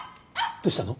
どうしたの？